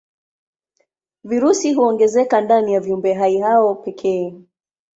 Virusi huongezeka ndani ya viumbehai hao pekee.